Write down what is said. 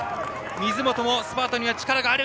スパートには力がある。